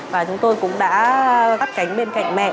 và chúng tôi cũng đã gắt cánh bên cạnh mẹ